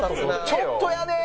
「ちょっとやね」